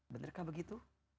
bener kah begitu